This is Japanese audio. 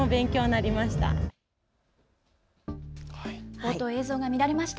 冒頭映像が乱れました。